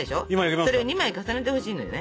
それを２枚重ねてほしいのよね。